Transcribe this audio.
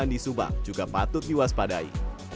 di subang juga patut diwaspadai